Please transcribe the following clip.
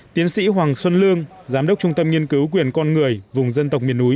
tiến sĩ hoàng xuân lương giám đốc trung tâm nghiên cứu quyền con người vùng dân tộc miền núi